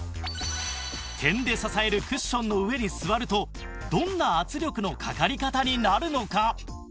点で支えるクッションの上に座るとどんな圧力のかかり方になるのか？